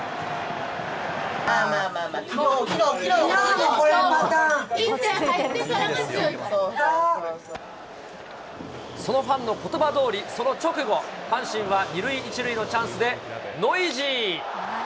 まあまあまあまあ、そのファンのことばどおり、その直後、阪神は二塁一塁のチャンスで、ノイジー。